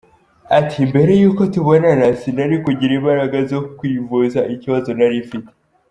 Ati "Mbere y’uko tubonana sinari kugira imbaraga zo kwivuza ikibazo nari mfite.